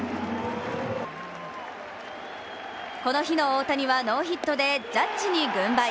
この日の大谷はノーヒットでジャッジに軍配。